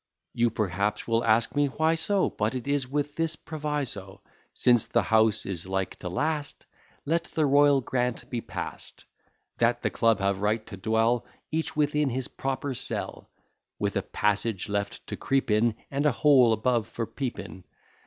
You perhaps will ask me, Why so? But it is with this proviso: Since the house is like to last, Let the royal grant be pass'd, That the club have right to dwell Each within his proper cell, With a passage left to creep in And a hole above for peeping.